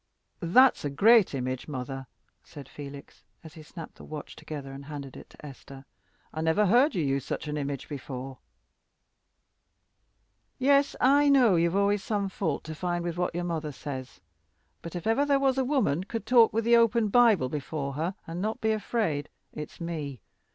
"That's a great image, mother," said Felix, as he snapped the watch together and handed it to Esther; "I never heard you use such an image before." "Yes, I know you've always some fault to find with what your mother says. But if ever there was a woman could talk with the open Bible before her, and not be afraid, it's me.